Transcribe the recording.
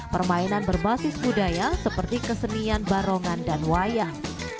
permainan berbasis budaya seperti kesenian barongan dan wayang